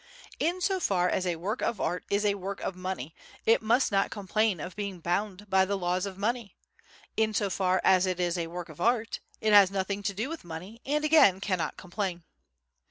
In so far as a work of art is a work of money, it must not complain of being bound by the laws of money; in so far as it is a work of art, it has nothing to do with money and, again, cannot complain.